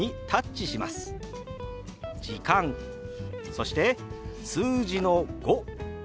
そして数字の「５」。